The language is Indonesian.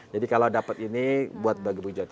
jadi kalau dapat ini buat bagi bujau